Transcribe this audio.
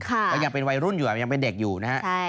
ก็ยังเป็นวัยรุ่นอยู่ยังเป็นเด็กอยู่นะฮะ